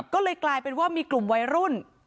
ก็เลยกลายเป็นว่ามีกลุ่มวัยรุ่น